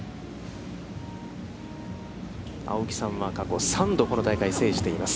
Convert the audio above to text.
青木さんは過去３度、この大会を制しています。